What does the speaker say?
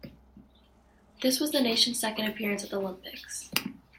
This was the nation's second appearance at the Olympics.